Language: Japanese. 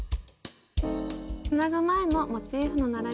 つなぐ前のモチーフの並びです。